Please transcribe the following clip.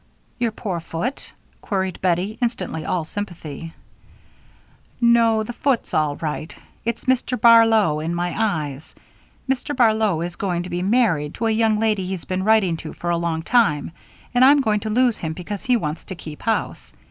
"Your poor foot?" queried Bettie, instantly all sympathy. "No, the foot's all right. It's Mr. Barlow and my eyes. Mr. Barlow is going to be married to a young lady he's been writing to for a long time, and I'm going to lose him because he wants to keep house.